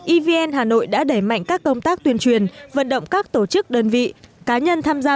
evn hà nội đã đẩy mạnh các công tác tuyên truyền vận động các tổ chức đơn vị cá nhân tham gia